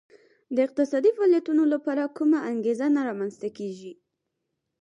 د اقتصادي فعالیتونو لپاره کومه انګېزه نه رامنځته کېږي